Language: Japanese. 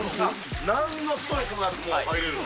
なんのストレスもなく入れるわ。